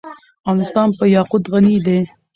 افغانستان په یاقوت غني دی.